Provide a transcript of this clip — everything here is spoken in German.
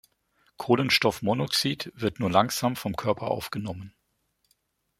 Kohlenstoffmonoxid wird nur langsam vom Körper aufgenommen.